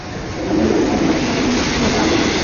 তাদের উভয়ের গন্তব্য দার্জিলিং।